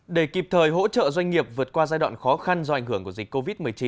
để kịp thời hỗ trợ doanh nghiệp vượt qua giai đoạn khó khăn do ảnh hưởng của dịch covid một mươi chín